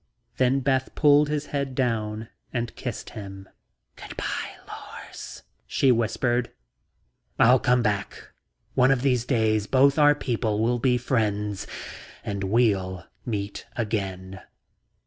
Then Beth pulled his head down and kissed him. "Good by, Lors," she whispered. "I'll come back, Beth, I'll come back. One of these days both our people will be friends and we'll meet again."